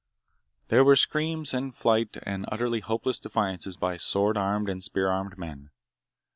There were screams and flight and utterly hopeless defiances by sword armed and spear armed men.